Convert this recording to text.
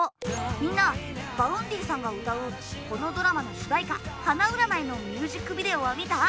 みんなＶａｕｎｄｙさんが歌うこのドラマの主題歌『花占い』のミュージックビデオは見た？